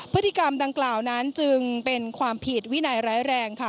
พฤติกรรมดังกล่าวนั้นจึงเป็นความผิดวินัยร้ายแรงค่ะ